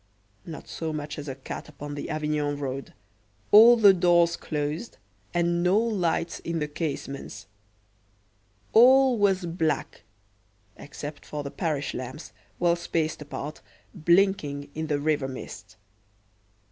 Not so much as a cat upon the Avignon road all the doors closed, and no lights in the casements. All was black, except for the parish lamps, well spaced apart, blinking in the river mist.